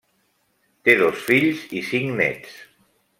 Té dos fills i cinc néts.